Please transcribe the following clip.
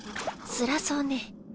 つらそうね。